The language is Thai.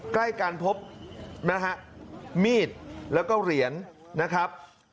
ใกล้กันพบนะฮะมีดแล้วก็เหรียญนะครับ